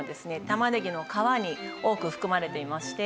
玉ねぎの皮に多く含まれていまして。